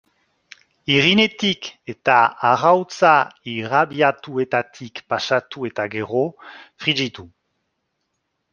Irinetik eta arrautza irabiatuetatik pasatu eta gero, frijitu.